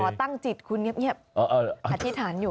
ตั้งจิตคุณเงียบอธิษฐานอยู่